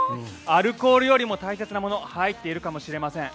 アルコールよりも大切なもの入っているかもしれません。